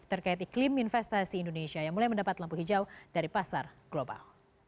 terkait iklim investasi indonesia yang mulai mendapat lampu hijau dari pasar global